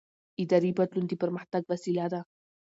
اداري بدلون د پرمختګ وسیله ده